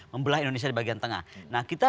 membelah indonesia di bagian tengah nah kita